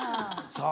さあ